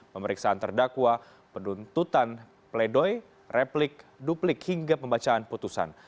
pemeriksaan terdakwa penuntutan pledoi replik duplik hingga pembacaan putusan